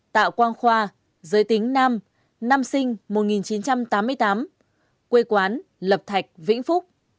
tạ quang khoa giới tính nam năm sinh một nghìn chín trăm tám mươi tám quê quán lập thạch vĩnh phúc